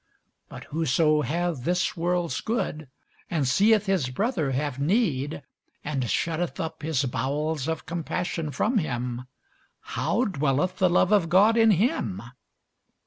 But whoso hath this world's good, and seeth his brother have need, and shutteth up his bowels of compassion from him, how dwelleth the love of God in him?